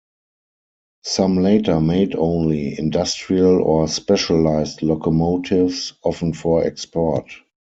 Some later made only industrial or specialised locomotives, often for export.